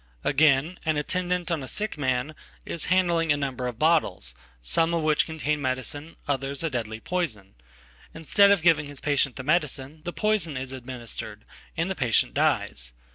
Again, an attendant ona sick man is handling a number of bottles, some of which containmedicine, others a deadly poison. Instead of giving his patient themedicine, the poison is administered and the patient dies.